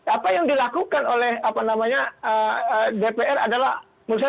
apa yang dilakukan oleh apa namanya dpr adalah menurut saya